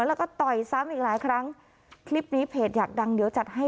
แล้วก็ต่อยซ้ำอีกหลายครั้งคลิปนี้เพจอยากดังเดี๋ยวจัดให้